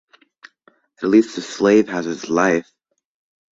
At least the slave has his life.